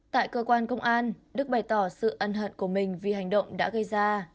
tại cơ quan công an đức bày tỏ sự ân hận của mình vì hành động đã gây ra